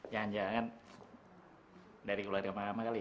jangan jangan dari keluarga mama kali ya